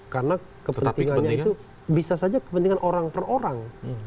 karena kepentingannya itu bisa saja kepentingan orang per orang